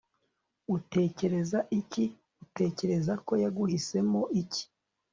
utekereza iki, utekereza ko yaguhisemo iki